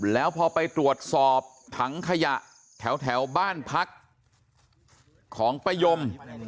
แล้วพอไปตรวจสอบถังขยะแถวบ้านพักของป้ายม